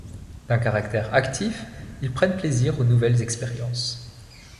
D'un caractère actif, ils prennent plaisir aux nouvelles expériences.